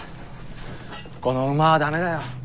この馬は駄目だよ。